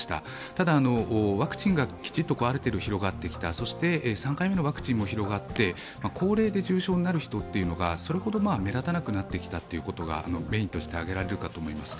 ただ、ワクチンがきちんとある程度広がってきた、そして３回目のワクチンも広がって高齢で重症になる人がそれほど目立たなくなってきたということが挙げられると思います。